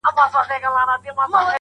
تاريخي ټکر په سنتيز کي اصلاح سي